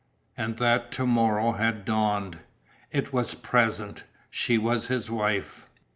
And that to morrow had dawned. It was present. She was his wife.